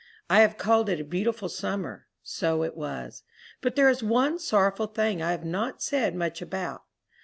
I have called it a beautiful summer; so it was, but there is one sorrowful thing I have not said much about.